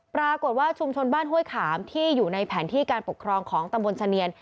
ปรากฏว่าชุมชนบ้านห้วยขามที่อยู่ในแผนที่การปกครองของตำบลชะเนียน